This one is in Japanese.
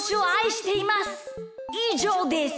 いじょうです。